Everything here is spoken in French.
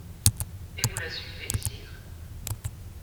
Et vous la suivez, sire ?